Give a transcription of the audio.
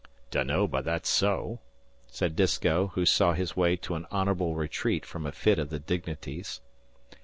"Dunno but that's so," said Disko, who saw his way to an honourable retreat from a fit of the dignities.